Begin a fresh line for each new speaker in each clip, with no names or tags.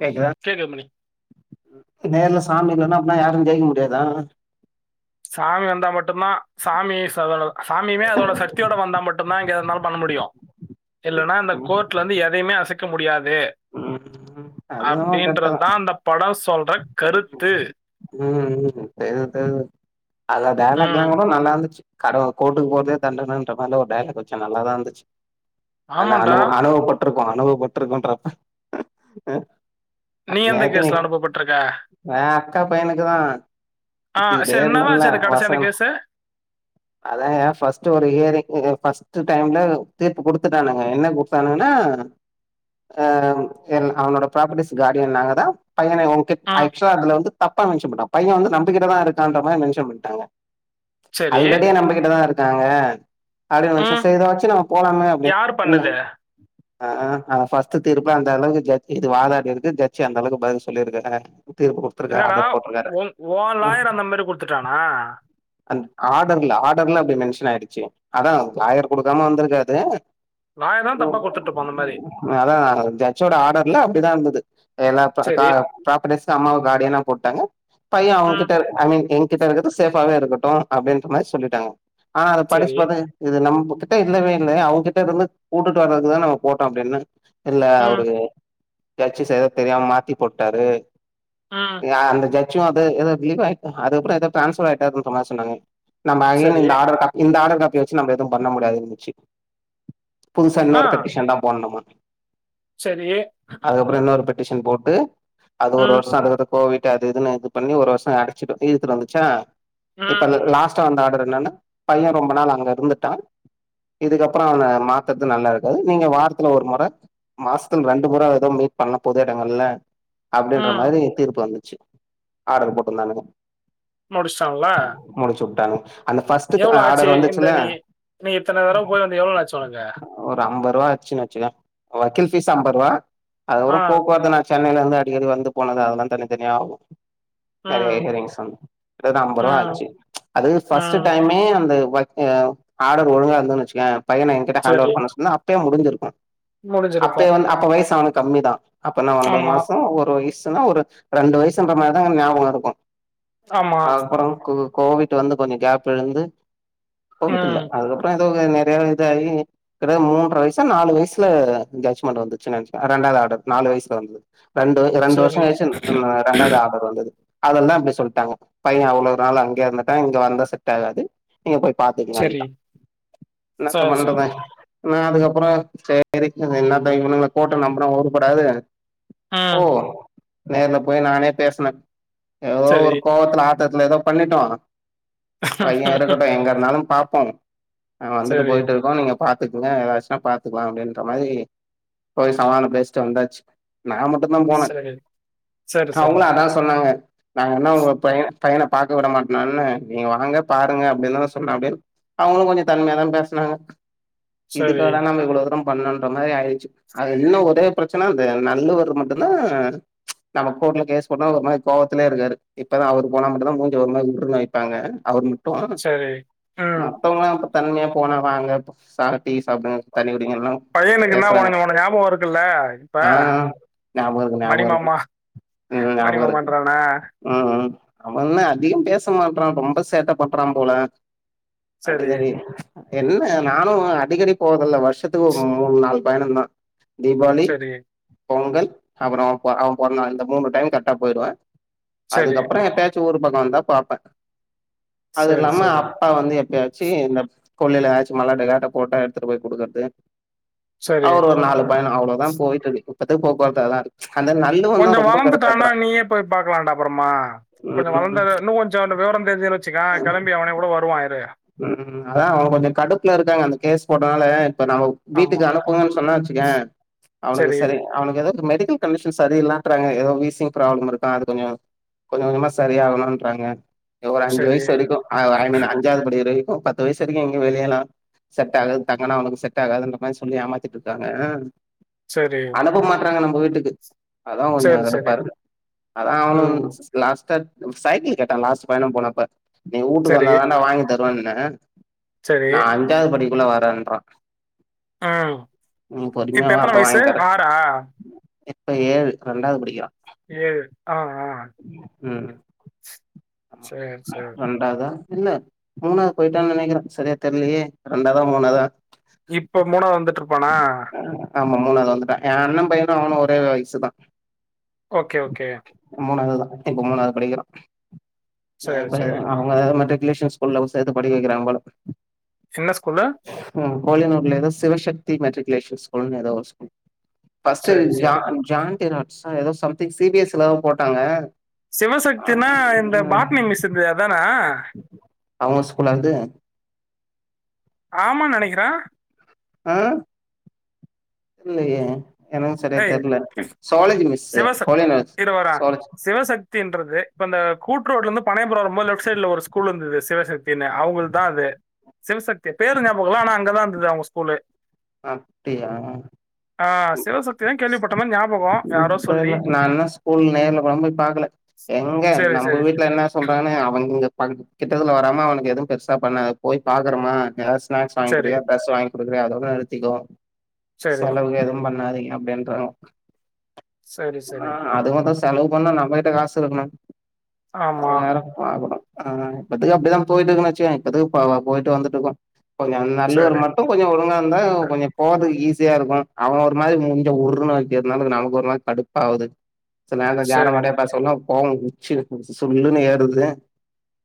கேக்குதா
கேக்குது மணி
நேர்ல சாமி இல்லனா அப்பனா யாரும் ஜெயிக்க முடியாதா
சாமி வந்தா மட்டும் தான் சாமி அத சாமியமே அதோட சக்தியோட வந்தா மட்டும்தான் இங்கே இருந்தாலும் பண்ண முடியும் இல்லைன்னா இந்த
ம்
கோர்ட்ல இருந்து எதையுமே அசைக்க முடியாது
ம் அது என்னமோ கரெக்ட்டு தான்
அப்படின்றதா அந்த படம் சொல்ற கருத்து
உம் உம் தெரிது தெரிது அத வேல
ம்
[unintelligible] நல்லா இந்துச்சு கடவு கோர்டுக்கு போரதே தண்டனன்ற மாரிலா ஒரு டைலாக் வச்சு நல்லாதா இருந்துச்சு ஆனா அனு
ஆமாண்டா
அனுபவபட்டுருக்கோம் அனுபவபட்ருக்கோன்றப்ப
நீ எந்த
நேத்து நீ
கேஸ்ல அனுப்பப்பட்டிருக்க
வே அக்கா பையனுக்கு தான்
ஆ
குத்திடெ
சரி என்னதான் ஆச்சு
இருந்தலா
அது கடைசி
வருச
அந்த
கன்
கேஸ்
அதாங்கா ஃபஸ்ட் ஒரு ஹியரிங் ஃபஸ்ட் டைம்ல தீர்ப்பு குடுத்துட்டானுங்க என்ன குடுத்தானுங்கன்னா ஆ எல் அவனோட ப்ராப்பர்ட்டிஸ் கார்டியன் நாங்க தா பையன உங்க க
ம்
ஆய ப அதுல வந்து தப்பா நினசுபுட்டான் பையன் வந்து நம்பக்கிட்ட தான் இருக்கான்ற மாரி நினசுபுட்டாங்க
சரி
ஆல்ரெடி நம்மகிட்டதா இருக்காங்க அப்படினு நினச்சு
ம்
செர் இத வச்சு நம்ம போலாமே அப்படின்னு
யார்
இல்ல
பண்ணது
ஆ ஆ அத ஃபஸ் த்து தீர்பு அந்த அளவுக்கு ஜட்ஜ் இது வாதாடி இருக்கு ஜட்ஜ் அந்தளவு பதில் சொல்லியிருக்காரு
இல்லடா ஒன் ஓன் லாயர் அந்த மாரி குடுத்துட்டானா
அந்த ஆர்டர்ல ஆர்டர்ல அப்டி மென்ஷன் ஆயிடுச்சு அதான் லாயர் கொடுக்காம வந்திருக்காது
நாயேதா தப்பா கொடுத்துட்டுப்போ அந்த மாரி
அதா ஜட்ஜோட ஆர்டர்ல அப்டிதா இருந்தது எல்லா கா
சரி
ப்ராப்பர்ட்டீஸ் அம்மாவ காடியனா போட்டாங்க பையன்
ம்
அவுங்கிட்ட அவிங் எங் கிட்ட இருக்கது சேஃபாவே இருக்கட்டு அப்டின்ற மாரி சொல்லிட்டாங்க ஆனா அத படிச்சு
சரி
பா இது நம்மகிட்ட இல்லவே இல்ல அவுங்கிட்டருந்து கூட்டுட்டு வர்றதுக்குதா நா போட்டோ அப்டின்ன இல்ல
ம்
அவரு ஜட்ஜ் சரியா தெரியாம மாத்தி போட்டாரு
ஆ
எ அந்த ஜச்சு அது எதோ ரிலீவ் ஆயிட்டா அதுக்கப்றோ எதோ டிரான்ஸ்ஃபர் ஆயிட்டாருனு சொன்னா சொன்னாங்க நம்ம ஆகெய்ன்
சரி
இந்த ஆர்டர் காப்பி இந்த ஆர்டர் காப்பி வெச்சு நம்ம எதுவும் பண்ண முடியாதுன்னுச்சு புதுசா
ஆ
இன்னொரு பெட்டிஷன்தா போடணுமா
சரி
அதுக்கப்றோ இன்னொரு பெட்டிஷன் போட்டு அது
ம்
ஒரு வருஷோ [unintelligible] கோவிட் அது இதுன்னு இது பண்ணி ஒரு வருஷோ அடச்சிடு இழுத்து வந்துச்சா
ம்,
இப்ப லாஸ் ட்டா வந்த ஆர்டர் என்னனா பையன் ரொம்ப நாள் அங்க இருந்துட்டான் இதுக்கப்றோ அவன மாத்தறது நல்லா இருக்காது நீங்க வாரத்துல ஒரு மொற மாசத்துல ரெண்டு முற எதோ மீட் பண்ணா பொது எடங்கள்ல அப்டின்ற
ம்.
மாரி தீர்ப்பு வந்துச்சு ஆர்டர் போட்டிருந்தானுக
முடிச்சுட்டாங்ளா
முடிச்சுபுட்டாங்க
எவ்ளோ ஆச்சு இந்த நீ நீ இத்தர தரவ போயி வந்து எவ்ளோ ஆச்சு உனக்கு
ஒரு அம்பது ரூபா ஆச்சுன்னு வெச்சுக்கயேன் வக்கீல் ஃபீஸ் அம்பது ரூபா
ஆ,
அதுக்கப்றோ போக்குவரத்து சென்னைல இருந்து அடிகடி வந்து போனது அதெல்லா தனித்தனியா ஆகு நெறயா
ம்,
ஹியரிங்ஸ் வந்து அம்பது ரூபா
ம்,
ஆச்சு அது ஃபர்ஸ்ட்
ம்.
டைமே அந்த வ எ ஆர்டர் ஒழுங்கா இருந்துன்ன வெச்சுக்கயேன் பையன என்கிட்ட ஹேண்ட
சரி.
ஓவர் பண்ண சொன்னா அப்யே முடிஞ்சிருக்கு அப்யே
முடிஞ்சிருக்கும்.
வந்து அப்ப வயசு அவனுக்கு கம்மிதா அப்பனா ஒன்பது
ஆமா,
மாசோ ஒரு வயசுனா ஒரு ரெண்டு வயசுன்ற மாரிதா கொஞ்சோ ஞாபகோ இருக்கு
ஆமா.
அதுக்கப்றோ கு கோவிட் வந்து கொஞ்சோ கேப் விழுந்து கோவிட் இல்ல
ம்.
அதுக்கப்றோ தோ நெறயா இதாயி கிடக மூன்ற வயசா நாலு வயசுல ஜட்ஜ்மண்ட் வந்துச்சுனு நெனச்ச ரெண்டாவது ஆடர் நாலு வயசுல வந்துது ரெண்டு ரெண்டு
சரி,
வருஷோ கழிச்சு ரெண்டாவது ஆர்டர் வந்துது அதெல்லா அப்டி சொல்ட்டாங்க பையன் அவ்ளவு நாள் அங்கயே இருந்துட்டான் இங்க வந்தா செட் ஆகாது நீங்க போய்
சரி.
பாத்தீங்களான்ட்டா
ச
என்னத்த
சரி.
பண்றது நா அதுக்கப்றோ சரி என்னதங்க இவனுங்கள கோட்ட நம்புனா உறுபடாது ஓ
ம்.
நேர்ல போய் நானே பேசின எதோ
சரி.
ஒரு கோவத்துல ஆ த்தரத்துல எதோ பண்ணிட்டோ பையன் இருக்கட்டு எங்க இருந்தாலு பாப்போ நா வந்துட்டு
சரி,
போயிட்டுருக்கோ நீங்க பாத்துக்கங்க ஏதாச்சுனா பாத்துக்கலா அப்டின் ற மாரி போய் சமாதானோ பேசிட்டு வந்தாச்சு நா மட்டுந்தான் போன
சரி. சரி, சரி.
அவுங்களு அதா சொன்னாங்க நாங்க என்ன உங்க பையன் பையன பாக்க விட மாட்டனான்னு நீங்க வாங்க பாருங்க அப்டின்னுதான சொன்ன அப்டின்னு அவங்களு கொஞ்சோ தன்மயதான் பேசனாங்க
சரி,
இதுக்காடா நம்ம இவ்ளோ தூரோ பண்ணோன்ற மாரி ஆயிருச்சு அது இன்னு ஒரே பிரச்சன அந்த நண்டுவர் மட்டுந்தா நம்ம கோர்ட்ல போட்ட ஒரு ஆள் கோவத்துலயே இருக்காரு இப்பதா அவரு போனா மட்டுந்தா மூஞ்ச ஒரு மாரி உர்ருனு வெப்பாங்க அவர் ம ட்டு
சரி. ம்.
மா மத்தவங்கள்ளா தன்மயா போனா வாங்க சா டீ சா சாப்டுங்க தண்ணி குடிங்கங்ல்லா
பையனுக்குன்னா உன்ன உன்ன ஞாபகோ இருக்கல்ல இப்ப
ஆ ஞாபக இருக்கு
மணி
ஞாபக இருக்கு
மாமா
ம் ஞாபக இருக்கு
மணிமாமான்றானா
ம் ம் அவன்தா அதிகம் பேச மாட்றான் ரொம்ப சேட்ட பண்றான் போல
சரி,
அடிதடி என்ன நானு அடிக்கடி போதல்ல வருஷத்துக்கு ஒம் மூன் நாள் பயணந்தா தீபாவளி
சரி,
பொங்கல் அப்றோ பொ அவ பொறந்தநாள் இந்த மூனு டைம் கர்ட்டா போயிடுவே
சரி.
அதுக்கப்பறோ எப்பயா ச்சோ ஊரு பக்க வந்தா பாப்பே அது
சரி,
இல்லாம
சரி.
அப் ப்பா வந்து எப்பயாச்சி இந்தப் கொல்லில எதாச்சு மலாடு கேட்ட போட்டா எட்த்துட்டு போய் குடுக்கர்து
சரி.
அவரு ஒரு நாலுப் பயணோ அவ்ளோதாம் போயிட்டுதி இப்பத்துக்கு போக்குவரத்து அதாரு அந்தன் நா
கொஞ்சோ வளந்துட்டானா நீயேப் போய் பாக்கலான்ட்டா அப்றமா கொஞ்சோ
ம்
வளந்தாதா இன்னு கொஞ்சோ விவரந் தெரிஞ்சளவுக் சிகா கெளம்பி அவனே கூட வருவா இரு
ம் அதா அவ கொஞ்சோ கடுப்ல இருக்காங்க அந்த கேஸ் போட்டனால இப்ப நாவவுப் வீட்டுக்கு
ஆமா.
அனுப்புங்கன் சொன்னா வச்சுகே அவனுக்கு சரி அவனுக்கு எதோது மெடிக்கல் கண்டிஷன் சரிய இல்லன்றாங்க எதோ வீசிங் பிராப்ளம் இருக்கு அது கொஞ்சோ கொஞ்ச கொஞ்சமா சரியாகனுன்றாங்க ஒரு அஞ்சு
சரி,
வயசு வரைக்கு அ ஐ மீன் அஞ்சாவது படிக் ரைக்கு பத்து வயசு வரைக்கு எங்கியு வெளியலா செட்டாகாது தங்கனா அவனுக்கு செட்டாகாதுன்ற மாரி சொல்லி ஏமாத்திட்ருக்காங்க
சரி,
அனுப்ப மாட்றாங்க நம்ம வீட்டுக்கு அதா கொஞ்சோ
சரி, சரி.
கடுப்பாருக்கு அதா அவனும்
ம்.
லாஸ்ட்டாத் சைக்கிள் கேட்டா லாஸ்ட் பயணம் போனப்ப நீ வூட்டுக்கு
சரி,
வந்தாதாண்டா வாங்கித் தொன்னே
சரி.
நா அஞ்சாவது படிக்ககுள்ள வரேன்றா
ம்.
நீ பொறுமியா
இப்ப
வா
எத்தன
அப்ப
வயசு?
வாய்ங்த் தரே இப்ப ஏழு ரெண்டாவது படிக்கிறா
ஏழு ஆ ஆ
ம்
சேர் சேர்
ண்டாவ்தா இல்ல மூனாவ்து போயிட்டான் நெனைக்கிறே சரியாத் தெர்லியே ரெண்டாவ்தா மூனாவ்தா
இப்ப மூனாவ்து வந்துட்ருப்பானா
ஆ ஆமா மூனாவ்து வந்துட்டா எ அண்ணம் பையனு அவனு ஒரே வயசுதா
ஓகே ஓகே
மூனாவ்துதா இப்ப மூனாவ்து படிகிறா அ
சரி,
படித
சரி.
அவுங்க மெட்ரிகுலேஷன் ஸ்கூல்ல வு சேத்து படிக்க வகிறாங்க போல
சின்னச் ஸ்கூல்ல
ம் கோழினூர்ல எதோ சிவசக்தி மெட்ரிகுலேஷன் ஸ்கூல்னு எதோ ஒரு ஸ்கூல் ஃபர்ஸ்ட்டு
சரி, சரி.
ஜான் ஜான்டினாட்ஸ்சா எதோ something C P S Latha போட்டாங்க
சிவசக்தினா இந்த
ம்
பாட்னி மிஸ்சு இந்தே அதானா
அவுங்கச் ஸ்கூல்ல அருந்து
ஆமா நெனைகிறே
அ இல்லையே எனக்கு சரியா
ஏய்
தெர்ல ஜூவாலஜி மிஸ்சு கோலியனாஜ் ஜூவாலஜ்
த்தின்றது இப்ப இந்த கூட்ரோட்லந்துப் பனயபுரோ வரும்போது லெஃப்ட் சைட்ல ஒரு ஸ்கூல் இருந்தது சிவசக்தின்னு அவுங்குள்தா அது சிவசக்தி பேரு ஞாபக இல்ல ஆனா அங்கதா இந்தது அவுங்கச் ஸ்கூலே
அப்டியா
ஆஹ்
ம்
சிவசக்தி தான் கேள்விப்பட்ட மாதிரி ஞாபகம் யாரோ சொல்லி
தெர்ல நா இன்னு ஸ்கூல் நேர்ல கோடம் போய் பாக்கல எங்க
சரி
நம்ப
சரி
வீட் ல்ல என்ன சொல்றாங்கனு அவங் இங்கப் பக்கத் கிட்டதுல வராம அவனுக்கு எதும் பெருசா பண்ண போய் பாக்கறமா நேர்ச் ஸ்நாக்ஸ் வாய்ங்
சரி
குடுகியா டிரஸ் வாய்ங் குடுக்கிறியா அதோட நிறுத்திகோ
சரி
செலவுகு எதும் பண்ணாதிங்க அப்டின் றான்
சரி
ஆ
சரி
அது அத்தா செலவு பண்ண நம்மகிட்ட காசு இருக்ணு அது
ஆமா
வேறப் ஆவனா ஆ இப்பத்துக்கு அப்டிதா போயட்டுக்குன்னாச்யே இப்பத்துக்கு பாவா போயட்டு வந்துட்ருக்கு கொஞ்சன் நல்லூர்
சரி
மட்டு கொஞ்சோ ஒழுங்கா இருந்தாவ் கொஞ்ச போற்துக்கு ஈஸியா இருக்கு அவ ஒரு மாதிரி மூஞ்ச உர்ருனு வைக்கதுனால நமக்கு ஒரு மார் கடுப்பா ஆவுது செல் நேரோ ஜாட
சரி
மாடையா பேஸ் சொல்லு கோவோ உச்சில [inaudible] சுல்லுன்னு ஏறுதே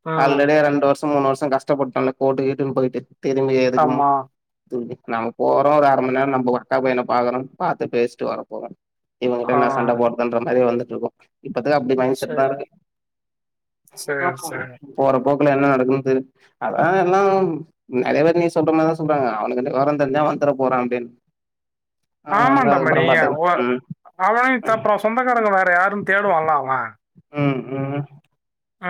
ம்
ஆல்ரெடி ரெண்டு வர்ஸோ மூண் வர்ஸோ கஷ்டப்பட்டல்ல கோட்டுக் கீட்டுக்குன் போய்ட்டு திரும்பி எதுக்மு
ஆமா
திரும்பி நாம் போறோ ஒரு அர மண் நேரோ நம்ப வட்டா பையன பாக்கருன் பாத்து பேஸ்ட்டு வர போறோ இவங்கிட்ட
ஆ
நா சண்டை போட்தன்ற மாரியே வந்து ஜுல்லொ இப்பத்து அப்டி மைண் செட் தா
சரி
இருக்கு
சரி சரி
போற போக்குல என்ன நடக்குதுன் தெறு அதா எல்லாம் நெறைய பேர் நீ சொல்ற மாரிதா சொல்றாங்க அவனுக் அந்த வாரன் இந்தந்தா வந்துர போறா அப்டின்
ஆமாண்டாமணிய
பாத்துக்கலா
வோ அவ ஏ தப்றா சொந்தக்காரங்க வேற யாரு தேடுவால்ல அவ
ம் ம்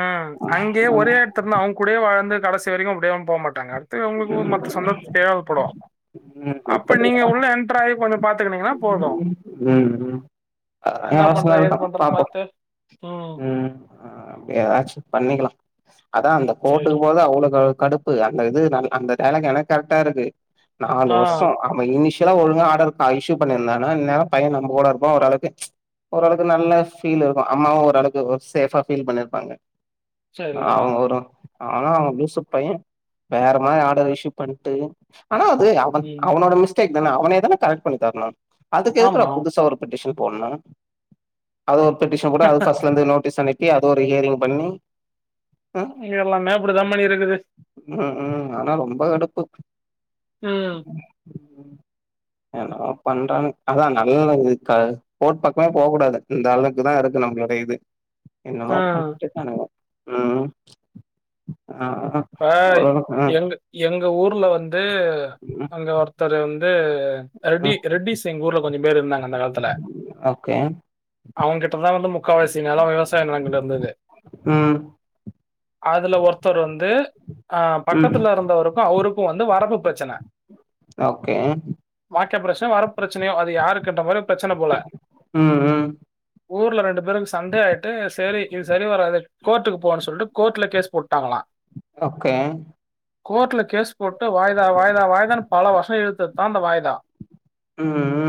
ம் அங்க்யே
ஆமா
ஒரே எடத்துர்னா அவ்ங் கூடயே வாழ்ந்து கடசி வரைக்கு அப்டே அவன் போ மாட்டாங்க அர் தே உங்ளுக்கு
ம்
மத்து சொந்தத் தேவப்படு
ம்
அப்ப
இப்ப
நீங்க உள்ள எண்ட்ர் ஆயி கொஞ்சோ பாத்துக்குனீங்கன்னா போது
உம்ம் அ
பண்றோம், ஏது
ஆஸ்னால்தா
பண்றோம்ன்னு
பாப்போ
பார்த்து ம்
அப்டியாச்சு பண்ணிக்கிலா அதா அந்த
சரி.
கோட்டுக்கு போது அவ்ளகல் கடுப் ப்பு அந்ந அது நல் அந்த தேளங்கன கரட்டா இருக்கு நாலு வர்ஷோ
ஆ.
ஆமா இனிஷியலா ஒழுங்கா ஆடருக்கு அ இஷ்யு பண்ணிர்லானா இந்நேரோ பையன் நம்ப கூட இருப்பா ஓரளக்கு ஓரளவுக்கு நல்ல ஃபீல் இருக்கு அம்மாவு ஓர் அளுக்கு ஒர் சேஃப்ஃபாஃப் ஃபீல் பண்ணிர்ப்பாங்க
சரி.
அவ்ங்கொரு ஆனா அவ லூசப் பைய வேற மாரி ஆடர் இஷ்யூ பண்ட்டு ஆனா அது அவன்
ம்.
அவனோட மிஸ்டேக் தான அவனே தான கரக்ட் பண்ணி தர்லா அதுக்கு எதுக்குடா
ஆமா.
புதுசா ஒரு பட்டிஷன் போட்லா அது ஒர் பெட்டஷன் கூட அது ஃபஸ்ல இருந்து நோட்டீஸ் அனுப் ஏ அதோரு ஹியரிங் பண்ணி ஹு
எல்லாமே அப்படிதா பண்ணிருக்குது
உ உ ஆனா ரொம்ப கடுப்பு
ம்.
என்னோ பண்றன் அதா நல்லதுக்கா போட் பக்கமே போவ்க் கூடாது இந்த அளுக்குதா இருக்கு நம்ளுடை இது என்னதோ
ம்.
பண்ட்டுக்கானுங்க ம் அஅஆ
ஆய் எங்கு எங்க ஊர்ல வந்து
ம் ம்
அங்க ஒருத்தர் வந்து ரெட்டி
ம்
ரெட்டிசிங் ஊர்ல கொஞ்சு பேர் இருந்தாங்க அந்த காலத்துல
ஓகே
அவ்ங்கிட்டதாலந்து முக்கால்வாசி நெலோ விவசாய நிலங்கள் இருந்தது
உம்
அதுல ஒருத்தர் வந்து ஆ
ம்
பக்கத்துல இருந்தவருக்கு அவருக்கு வந்து வரப்பு ப்ரச்சன
ஓகே
வாக்க ப்ரச்சன வரப் ப்ரச்சனையோ அது யாருக்குன்ற மாரு ப்ரச்சன போல
ம் ம்
ஊர்ல ரெண்டு பேருக் சண்டே ஆய்ட்டு சேரி இது சரி வராதுக் கோர்ட்டுக்கு போன சொல்ட்டு கோட்ல கேஸ் போட்டா அவளா
ஓகே
கோர்ட்ல கேஸ் போட்டு வாய்தா வாய்தா வாய்தான்னு பல வர்ஷோ இழுத்துத்தா அந்த வாய்தா
ம் ம்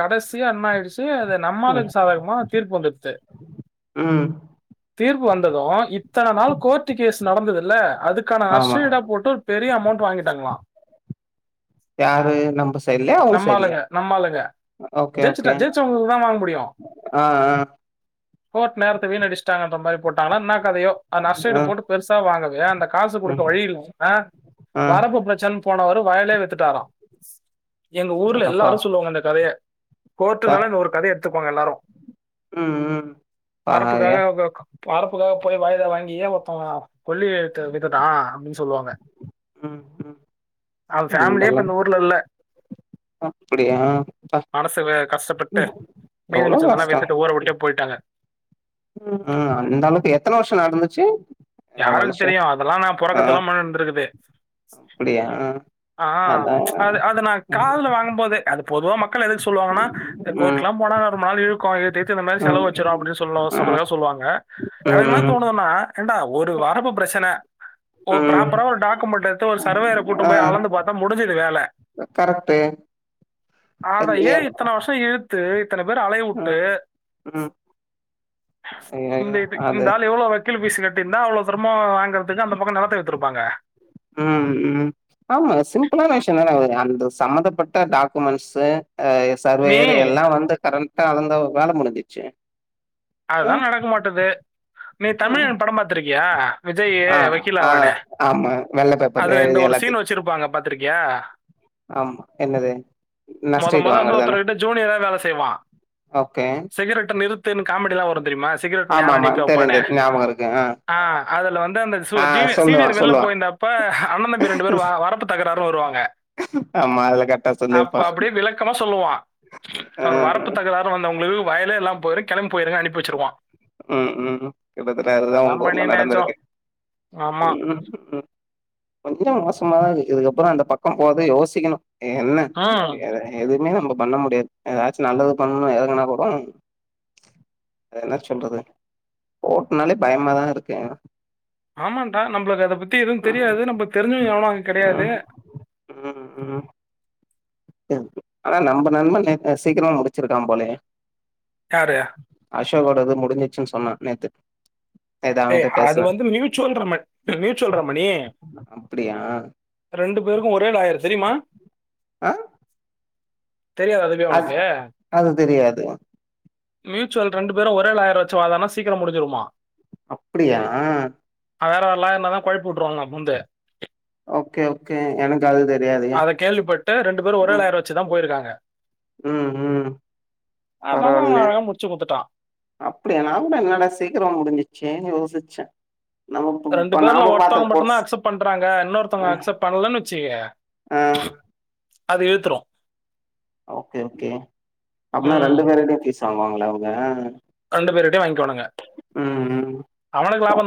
கடைசியா என்ன ஆயிடுச்சு அது
ம்
நம்மாளுக்கு சாதகமா தீர்ப்பு வந்தடுத்து
ம்
தீர்ப்பு வந்தது இத்தன நாள் கோர்ட்டு கேஸ் நடந்தது இல்ல அதுக்கான
ஆமா
அஷ்ட இடா போட்டு பெரிய அமௌண்ட் வாங்கிட்டாங்ளா
யாரு நம்ம சைட்லயா அவங்க சைட்லயா
நம்மாளுங்க நம்மாளுங்க
ஓகே
ஜெயிச்சுட்ட
ஓகே
ஜெயிச்ச உங்களுக்கு தா வாங்க முடியு
ஆ ஆ
கோட் நேரத்த வீன அடிச்சிட்டாங்கன்ற மாரி போட்டாங்கனா என்னா கதையோ அந் நஷ்ட ஈடு
ஆ
போட்டு பெருசா வாங்க அந்த காசு கொடுக்க
ம்
வழி இல்லன
ஆ
வரப்பு பிரச்சன போனவரு வயலே வித்துட்டாரா எங்க ஊர்ல
அடப்பா
எல்லாரு சொல்லுவாங்க இந்த கதைய
ஆ
கோர்டுனால இந்த ஒரு கதை எடுத்துகுவாங்க எல்லாரு
ம் ம் பாவியா
வரப்புக்காக வரப்புக்காக போய் வயதை வாங்கியே ஒருத்தோங்க கொல்லிது வித்துதா அப்டின் சொல்லுவாங்க
ம் ம்
அவ ஃபேமிலியே இப்ப
அந்தளவுக்கு
இந்த ஊர்ல இல்ல
அப்டியா ப்பா
மனசு கஷ்டப்பட்டு
ம்
மீதி
எவ்ளோ
மிச்சமெல்லா
கஷ்டோ
வித்துட்டு ஊற விட்டே போயிட்டாங்க
ம் அந்த அளவுக்கு எத்தன வருஷ நடந்துச்சு அ
யாருக்கு
வளர்ச்சி
தெரியு அதெல்லா நா
ஆ
பொறக்கத்துல்லா முன்ன இருந்திருக்குது
அப்டியா
ஆ
அதா
அது அத நா
ம்
காதுல வாங்கும்போது அது பொதுவா மக்கள் எதுக்கு சொல்லுவாங்கன்னா கோர்ட்
ம்
எலா போனா ஒரு மாரி இருக்கு இழுத் இத் த்து இந்த மாரி
ம்
செலவு வச்சிடு அப்டின் சொல்ல
ம்
சொல்றதாக சொல்லுவாங்க எனக்கு என்ன
ம்
தோணுதுனா ஏன்டா ஒரு வரப்பு பிரச்சனை ஓ
ம்
ப்ராப்பரா ஒரு டாக்குமெண்ட் எடுத்து ஒரு சர்வேையர கூட்டு போய் அளந்து பாத்தா முடிஞ்சுது வேல
கரெக்டு
அத ஏ இத்தன வருஷ இழுத்து இத்தன பேர அலய வுட்டு
ம்
இந்த
ஐயையோ
இந்த
அது
இந்தாள் எவ்ளோ வட் கில் பீசு கட்டிருந்தா அவ்ளோ சிரம வாங்கறதுக்கு அந்த பக்க நெலத்த வித்துருப்பாங்க
ம் ம் ஆமா சிம்பிளான விஷய தான அவரு அந்த சம்பந்தப்பட்ட டாக்குமெண்ட்ஸ் அ
நீ
சர்வேயர் எல்லா வந்து கரண்டா அளந்தா வேல முடிஞ்சிச்சு ஆ
அதுதா நடக்க மாட்டது நீ
ஆ
தமிழன் படம் பாத்திருக்கியா விஜயே
ஆ ஆ
வக்கீலாவானே
ஆமா வெள்ள பேப்பர்ல
அதுல இந்த
எழுதி
ஒரு
எல்லாத்தையு
சீன் வச்சிருப்பாங்க பாத்திருக்கியா
ஆமா என்னது
மொத
நஷ்டஈடு
மொத வந்து
வாங்குறதான
ஒருத்தர்கிட்ட ஜூனியரா வேல செய்வா
ஓகே
சிகரெட்ட நிறுத்துன் காமெடிலா வரு தெரியுமா சிகரெட்
ஆமா
நேரா
ஆமா
நிக்க வப்பானே
தெரியுது ஞாபகோ இருக்கு
ஆ அதுல வந்து அந்த சு
ஆ
ஜீனி
சொல்லுவா
சீனியர் வெளில
சொல்லுவா
போயிருந்தப்ப அண்ண தம்பி ரெண்டு பேரு வ வரப்பு தகராறுனு வருவாங்க
ஆமா அதுல கரெக்டா
அப்ப
சொல்லிருப்பா
அப்டியே விளக்கமா சொல்லுவா
ஆ
அவர் வரப்பு தக வந்த உங்களுக்கு வயலே இல்லாம போயிறு கெளம்பி போயிறுங்க அனுப்பி வச்சுருவா
ம் ம் கிட்டத்தட அதுதா உங்க
மணி
ஊர்ல
நெஜம்.
நடந்திருக்கு
ஆமா
ம் ம் கொஞ்ச மோசமாதா இருக்கு இதுக்கப்பற அந்த பக்கம் போகவே யோசிக்கணு என்ன
ம்.
எது எதுமே நம்ப பண்ண முடியாது ஏதாச்சு நல்லது பண்ணணு எறங்குனா கூட அத என்ன சொல்றது கோட்னாலே பயமாதா இருக்கு
ஆமாண்டா நம்ளுக்கு அத பத்தி எதுவு
ம்
தெரியாது நம்ம தெரிஞ்சவ எவனு அங்க கெடையாது
ம் ம் ம் [unintelligible] ஆனா நம்ப நண்பன்னு அ சீக்கிரமா முடிச்சிருக்கா போலயே
யாரு
அசோக்கோடது முடிஞ்சிச்சுன் சொன்னா நேத்து நேத்து
ஏ
அவன்கிட்ட
அது
பேசுன
வந்து மியூச்சுவல் ரம மியூச்சுவல் ரமணி
அப்டியா
ரெண்டு பேருக்கு ஒரே லாயர் தெரியுமா
ஆ
தெரியாதா அதுவே
அது
ஒனக்கு
அது தெரியாது
மியூச்சுவல் ரெண்டு பேரு ஒரே லாயர் வச்சு வாதாட்னா சீக்ரோ முடுஞ்சுறுமா
அப்டியா
அ வேற வேறலா என்னதா கொழப்பி வுட்ருவாங்க பூந்து
ஓகே ஓகே எனக்கு அது தெரியாதுயா
அத கேள்விப்பட்டு ரெண்டு பேரு ஒரே
ம்
லாயர் வச்சுதா போயிருக்காங்க
ம் ம்
அதனால அவே அழகா முட்ச்சு குடுத்துட்டா
அப்டி நா கூட என்னடா சீக்கிரோ முடிஞ்சிறுச்சேனு யோசிச்சே நம்ம
ரெண்டு
இப்ப
பேர்ல
நாம பாத்த
ஒருத்தவ்ங்க
கோர்ஸ்
மட்டுந்தா அக்செப்ட் பண்றாங்க இன்னொருத்தவங்க
ஆ
அக்செப்ட் பண்ணலன்னு வச்சுக்க
ஆ
அது இழுத்துரு
ஓக்கே ஓக்கே அப்பனா
ம்
ரெண்டு பேர்கிட்டயு ஃபீஸ் வாங்வாங்லா அவ்ங்க
ரெண்டு பேருகிட்டயு வாங்கிகுவானுங்க
ம்
அவனுக்கு லாப